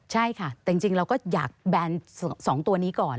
ใช่ค่ะแต่จริงเราก็อยากแบน๒ตัวนี้ก่อน